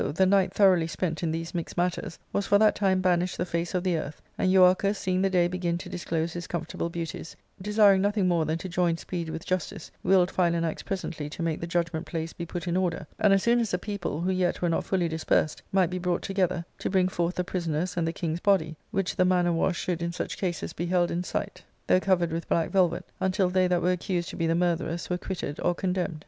the night throughly spent in these mixed matters, was for that time banished the face of the earth, and Euarchus Seeing the day begin to disclose his comfortable beauties, de siring nothing more than to join speed with justice, willed Philanax presently to make the judgment place be put in order, and, as soon as the people, who yet were not fully dispersed, might be brought together, to bring forth the pri soners and the king's body, which the manner was should in such cases be held in sight, though covered with black velvet, until they that were accused to be the murtherers were quitted or condemned.